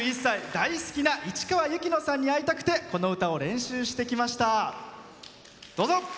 大好きな市川由紀乃さんに会いたくてこの歌を練習してきました。